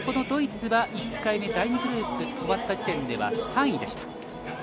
ドイツは１回目、第２グループが終わった時点では３位でした。